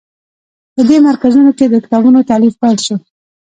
په دې مرکزونو کې د کتابونو تألیف پیل شو.